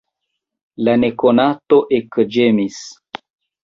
La nekonato ekĝemis.